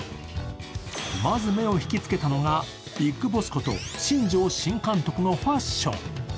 まず目を引きつけたのが、ビッグボスこと新庄監督のファッション。